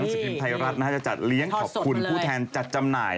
สิบพิมพ์ไทยรัฐจะจัดเลี้ยงขอบคุณผู้แทนจัดจำหน่าย